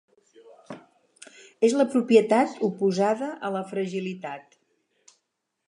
És la propietat oposada a la Fragilitat.